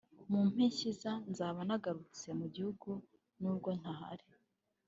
mu mpeshyiza nzaba nagarutse mu gihugu nubwo ntahari